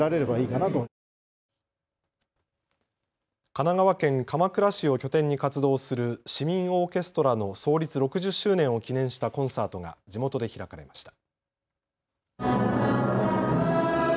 神奈川県鎌倉市を拠点に活動する市民オーケストラの創立６０周年を記念したコンサートが地元で開かれました。